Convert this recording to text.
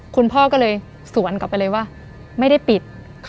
คุณพ่อก็เลยสวนกลับไปเลยว่าไม่ได้ปิด